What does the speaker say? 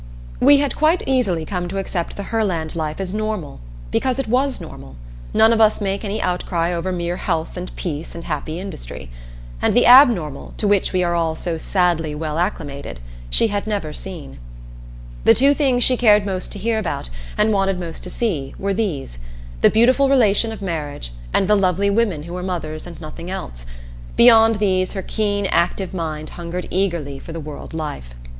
We had quite easily come to accept the Herland life as normal, because it was normal none of us make any outcry over mere health and peace and happy industry. And the abnormal, to which we are all so sadly well acclimated, she had never seen. The two things she cared most to hear about, and wanted most to see, were these: the beautiful relation of marriage and the lovely women who were mothers and nothing else; beyond these her keen, active mind hungered eagerly for the world life.